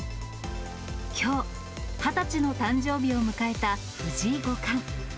きょう、２０歳の誕生日を迎えた藤井五冠。